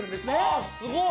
ああすごい！